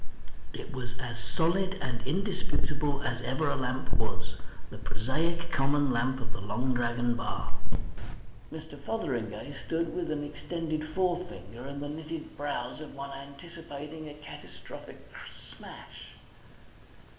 It was as solid, as indisputable as ever a lamp was, the prosaic common lamp of the Long Dragon bar. Mr. Fotheringay stood with an extended forefinger and the knitted brows of one anticipating a catastrophic smash.